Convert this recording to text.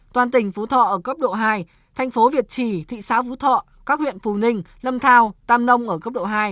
toàn tỉnh phú thọ ở cấp độ hai thành phố việt trì thị xã phú thọ các huyện phù ninh lâm thao tam nông ở cấp độ hai